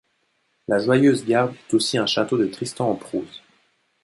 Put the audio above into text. La Joyeuse Garde est aussi un château du Tristan en prose.